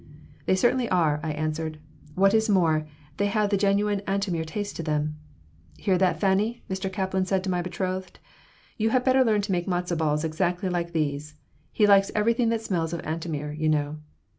"They certainly are," I answered. "What is more, they have the genuine Antomir taste to them." "Hear that, Fanny?" Mr. Kaplan said to my betrothed. "You had better learn to make matzo balls exactly like these. He likes everything that smells of Antomir, you know."